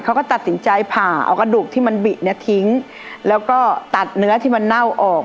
เขาก็ตัดสินใจผ่าเอากระดูกที่มันบิเนี่ยทิ้งแล้วก็ตัดเนื้อที่มันเน่าออก